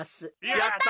やった。